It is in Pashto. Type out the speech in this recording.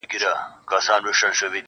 ما ته شجره یې د نژاد او نصب مه راوړی,